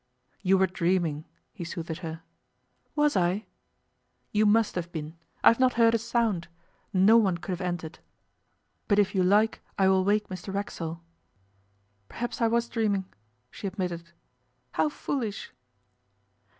'You were dreaming,' he soothed her. 'Was I?' 'You must have been. I have not heard a sound. No one could have entered. But if you like I will wake Mr Racksole.' 'Perhaps I was dreaming,' she admitted. 'How foolish!